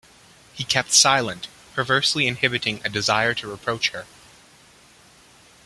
He kept silent, perversely inhibiting a desire to reproach her.